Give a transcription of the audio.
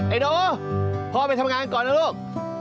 ไอโดพ่อไปทำงานก่อนนะลูก